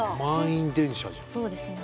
でもそうですね。